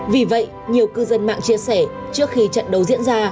vì vậy nhiều cư dân mạng chia sẻ trước khi trận đấu diễn ra